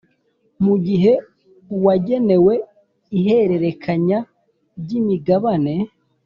Mu gihe uwagenewe iherererekanya ry imigabane